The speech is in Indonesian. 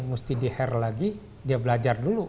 musti di hire lagi dia belajar dulu